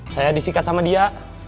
saya disikat sama dia